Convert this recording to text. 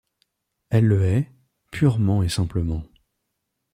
Elle le hait, purement et simplement.